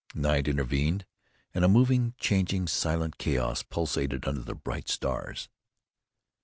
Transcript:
Night intervened, and a moving, changing, silent chaos pulsated under the bright stars.